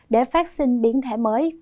để phát sinh biến thể mới